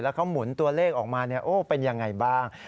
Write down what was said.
แล้วเขามุนตัวเลขออกมาเนี่ยโอ้เป็นยังไงบ้าง